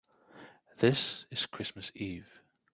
This is Christmas Eve.